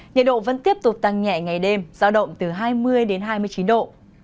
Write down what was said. nhiệt độ vẫn tiếp tục tăng nhẹ ngày đêm giao động từ hai mươi đến hai mươi chín độ